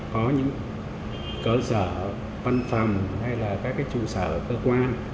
có những cơ sở văn phòng hay là các trụ sở cơ quan